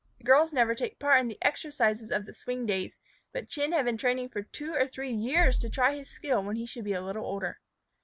Girls never take part in the exercises of the Swing Days, but Chin had been training for two or three years to try his skill when he should be a little older.